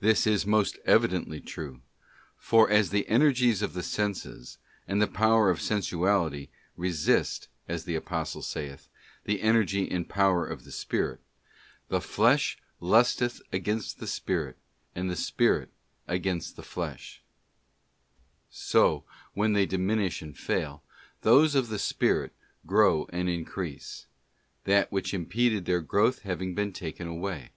This is most evidently true, for as the energies of the senses, and the power of sensuality, resist, as the Apostle saith, the energy and power of the spirit, ' the flesh lusteth against the spirit, and the spirit against the flesh ;'* so when they diminish and fail, those of the spirit grow and increase ; that which impeded their growth having been taken away.